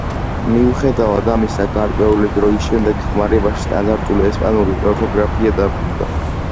მიუხედავად ამისა, გარკვეული დროის შემდეგ ხმარებაში სტანდარტული ესპანური ორთოგრაფია დაბრუნდა.